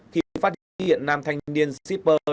khi phát hiện nam thanh niên shipper